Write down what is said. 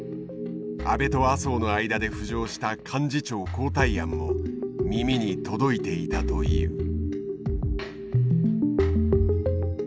安倍と麻生の間で浮上した幹事長交代案も耳に届いていたという。